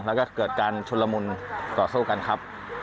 แล้วก็เกิดการชุนละมุนต่อสู้กันครับ